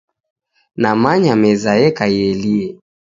Namany meza yeka ielie.